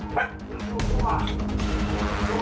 นักจิตเจ็บหรือนักจิต